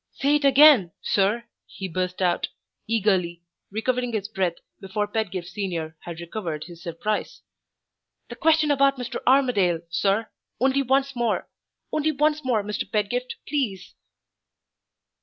"Say it again, sir!" he burst out, eagerly, recovering his breath before Pedgift Senior had recovered his surprise. "The question about Mr. Armadale, sir! only once more! only once more, Mr. Pedgift, please!"